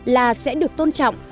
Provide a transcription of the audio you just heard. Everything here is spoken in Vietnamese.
là sẽ được tôn trọng